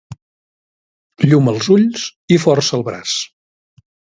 Llum als ulls i força al braç.